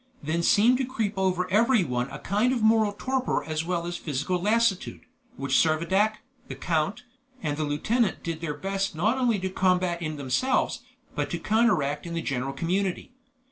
Then seemed to creep over everyone a kind of moral torpor as well as physical lassitude, which Servadac, the count, and the lieutenant did their best not only to combat in themselves, but to counteract in the general community.